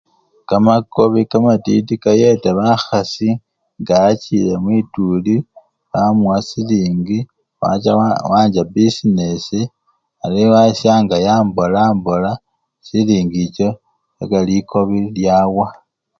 Kamakobi kamatiti kayeta bakhasi nga wachile mwituli bamuwa silingi wacha waa! wancha bisinesi ari wesyangayo mbola mbola chisendi echo paka likobi lyawa.